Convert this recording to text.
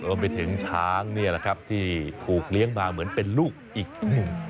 แล้วไปถึงช้างที่ถูกเลี้ยงมาเหมือนเป็นลูกอีกหนึ่ง